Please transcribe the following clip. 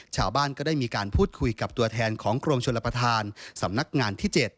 ชาวบ้านก็ได้มีการพูดคุยกับตัวแทนของกรมชลประธานสำนักงานที่๗